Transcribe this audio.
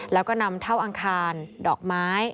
แล้วก็นำเท่าอังคารดอกไม้